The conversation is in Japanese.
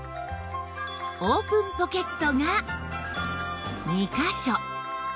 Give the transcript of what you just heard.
オープンポケットが２カ所